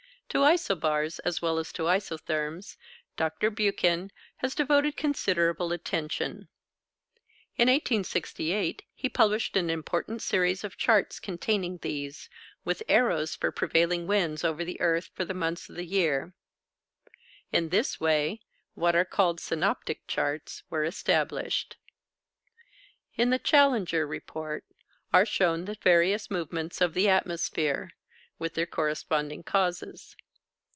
To isobars, as well as to isotherms, Dr. Buchan has devoted considerable attention. In 1868, he published an important series of charts containing these, with arrows for prevailing winds over the earth for the months of the year. In this way what are called synoptic charts were established. In the Challenger Report are shown the various movements of the atmosphere, with their corresponding causes.